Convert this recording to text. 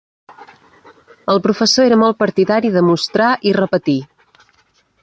El professor era molt partidari de "mostrar i repetir".